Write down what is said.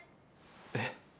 えっ。